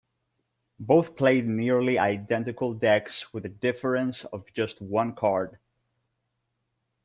Both played nearly identical decks with a difference of just one card.